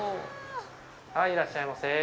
いらっしゃいませ。